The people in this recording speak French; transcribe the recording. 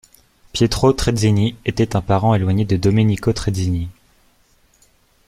Pietro Trezzini était un parent éloigné de Domenico Trezzini.